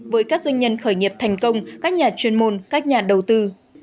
với các doanh nhân khởi nghiệp thành công các nhà chuyên môn các nhà đầu tư